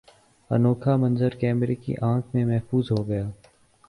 انوکھا منظر کیمرے کی آنکھ میں محفوظ ہوگیا